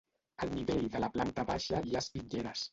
Al nivell de la planta baixa hi ha espitlleres.